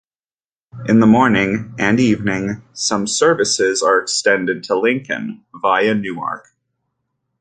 In the morning and evening some services are extended to Lincoln via Newark.